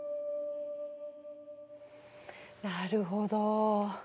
なるほど。